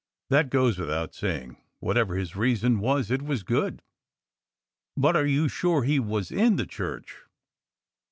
"That goes without saying. Whatever his reason was, it was good. But are you sure he was in the church?"